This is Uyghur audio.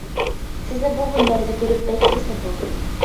سىزنى بۇ مۇنبەردە كۆرۈپ بەك خۇرسەن بولدۇم.